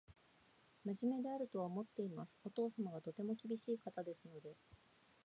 真面目であるとは思っています。お父様がとても厳しい方ですので